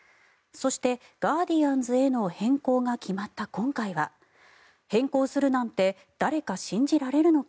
そしてガーディアンズへの変更が決まった今回は変更するなんて誰か信じられるのか？